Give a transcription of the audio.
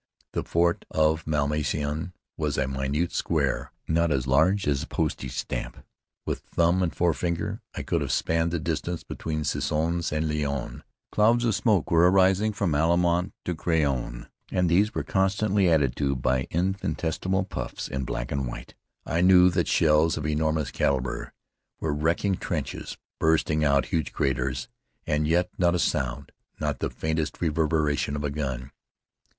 The fort of Malmaison was a minute square, not as large as a postage stamp. With thumb and forefinger I could have spanned the distance between Soissons and Laon. Clouds of smoke were rising from Allemant to Craonne, and these were constantly added to by infinitesimal puffs in black and white. I knew that shells of enormous calibre were wrecking trenches, blasting out huge craters; and yet not a sound, not the faintest reverberation of a gun.